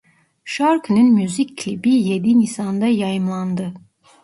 Şarkının müzik klibi yedi Nisanda yayımlandı.